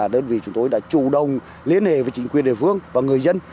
đơn vị chúng tôi đã chủ động liên hệ với chính quyền địa phương và người dân